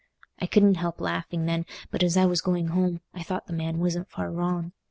I couldn't help laughing then, but as I was going home, I thought the man wasn't far wrong.